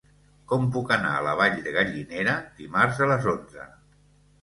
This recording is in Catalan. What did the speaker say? Com puc anar a la Vall de Gallinera dimarts a les onze?